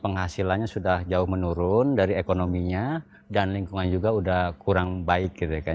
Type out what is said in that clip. penghasilannya sudah jauh menurun dari ekonominya dan lingkungan juga sudah kurang baik gitu ya kan